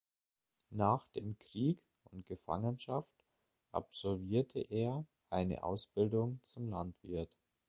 Nach dem Krieg und Gefangenschaft absolvierte er eine Ausbildung zum Landwirt.